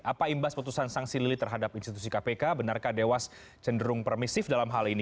apa imbas putusan sanksi lili terhadap institusi kpk benarkah dewas cenderung permisif dalam hal ini